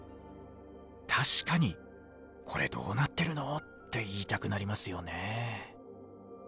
確かに「コレどうなってるの！？」って言いたくなりますよねえ。